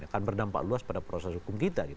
akan berdampak luas pada proses hukum kita